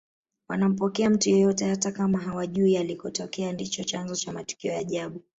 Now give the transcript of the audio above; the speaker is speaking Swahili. wanampokea mtu yeyote hata kama hawajui alikotokea ndicho chanzo cha matukio ya ajabu